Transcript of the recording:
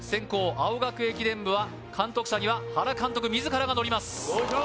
青学駅伝部は監督車には原監督自らが乗ります